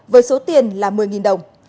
với số tiền là một mươi đồng